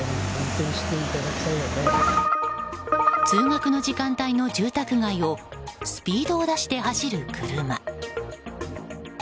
通学の時間帯の住宅街をスピードを出して走る車。